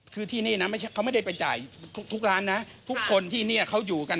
คือที่นี่นะเขาไม่ได้ไปจ่ายทุกร้านนะทุกคนที่เนี่ยเขาอยู่กัน